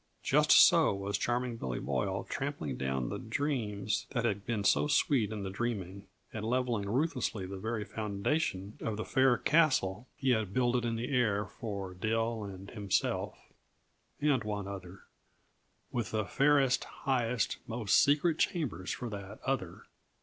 Just so was Charming Billy Boyle trampling down the dreams that had been so sweet in the dreaming, and leveling ruthlessly the very foundations of the fair castle he had builded in the air for Dill and himself and one other, with the fairest, highest, most secret chambers for that Other.